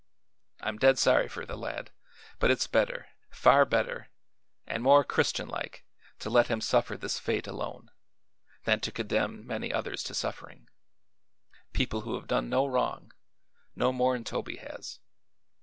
I'm dead sorry for the lad; but it's better far better an' more Christianlike to let him suffer this fate alone, than to condemn many others to suffering people who have done no wrong, no more 'n Toby has.